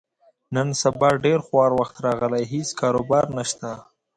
نن سبا ډېر خوار وخت راغلی، هېڅ کاروبار نشته.